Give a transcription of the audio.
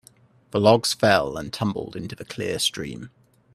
The logs fell and tumbled into the clear stream.